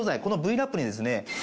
このＶ−Ｌａｐにですね